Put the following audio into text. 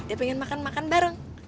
dia pengen makan makan bareng